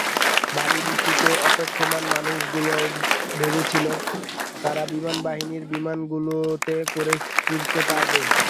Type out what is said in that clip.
ভারী বৃষ্টিতে অপেক্ষমাণ মানুষগুলো ভেবেছিল, তারা বিমান বাহিনীর বিমানগুলোতে করে ফিরতে পারবে।